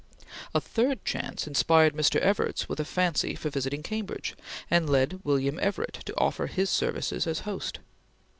A third chance inspired Mr. Evarts with a fancy for visiting Cambridge, and led William Everett to offer his services as host.